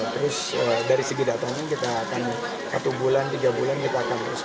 terus dari segi datangnya kita akan satu bulan tiga bulan kita akan terus